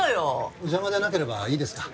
お邪魔じゃなければいいですか？